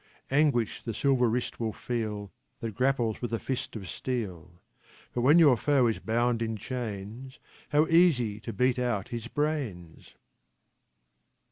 Anguish the silver wrist will feel, that grapples with a fist of steel, But when your foe is bound in chains, how easy to beat out his brains?